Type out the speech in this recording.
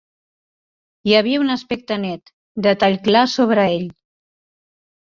Hi havia un aspecte net, de tall clar sobre ell.